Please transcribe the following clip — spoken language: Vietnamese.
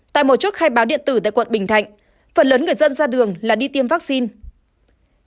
tại một chốt khai báo điện tử tại quận bình thạnh phần lớn người dân ra đường là đi tiêm vaccine